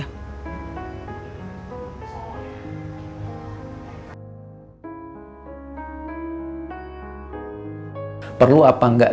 perlu apa enggak sih dalam suatu pernikahan gitu